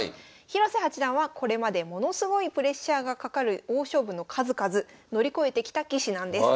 広瀬八段はこれまでものすごいプレッシャーがかかる大勝負の数々乗り越えてきた棋士なんです。